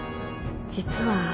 実は。